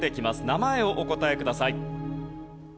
名前をお答えください。